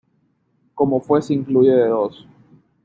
Como fue se incluye de dos